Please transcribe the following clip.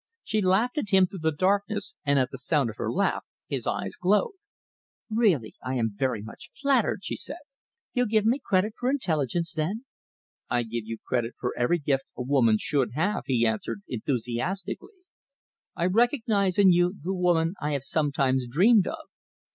She laughed at him through the darkness, and at the sound of her laugh his eyes glowed. "Really, I am very much flattered," she said. "You give me credit for intelligence, then?" "I give you credit for every gift a woman should have," he answered enthusiastically. "I recognise in you the woman I have sometimes dreamed of."